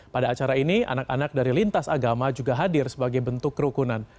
pada acara ini anak anak dari lintas agama juga hadir sebagai bentuk kerukunan